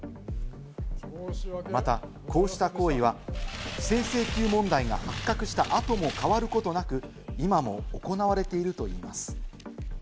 またこうした行為は不正請求問題が発覚した後も変わることなく、今も行われているといいます。